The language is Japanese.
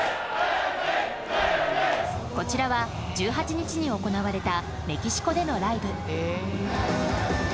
こちらは１８日に行われたメキシコでのライブ。